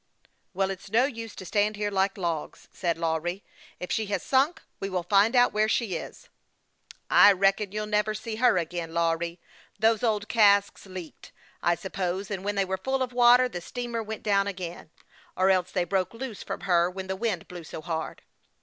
" Well, it's no use to stand here like logs," said Lawry. "If she has sunk, we will find out where she is." " I reckon you'll never see her again, Lawry. Those old casks leaked, I suppose* and when they Avere full of water the steamer went down again ; or else they broke loose from her when the wind blew so hard."